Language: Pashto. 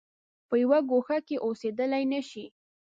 په یوه ګوښه کې اوسېدلای نه شي.